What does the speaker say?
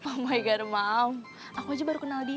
oh my god mam aku aja baru kenal dia